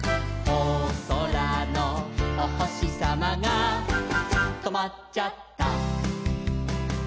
「おそらのおほしさまがとまっちゃった」